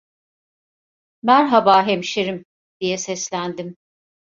Merhaba hemşerim! diye seslendim.